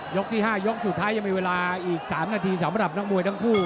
ที่๕ยกสุดท้ายยังมีเวลาอีก๓นาทีสำหรับนักมวยทั้งคู่